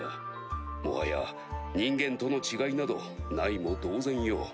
もはや人間との違いなどないも同然よ。